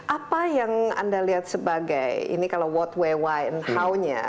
apa yang anda lihat sebagai ini kalau what way why and how nya